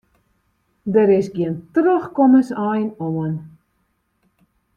Der is gjin trochkommensein oan.